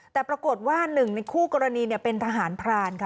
แต่ปรากฏว่าหนึ่งในคู่กรณีเป็นทหารพรานค่ะ